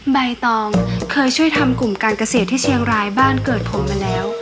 ใบตองเคยช่วยทำกลุ่มการเกษตรที่เชียงรายบ้านเกิดผมมาแล้ว